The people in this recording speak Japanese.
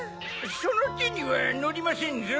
そのてにはのりませんぞ。